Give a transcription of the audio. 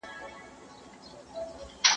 ¬ چرسي زوى، نه زوى، تارياکي ، دوه په ايکي.